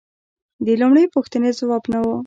د لومړۍ پوښتنې ځواب نه و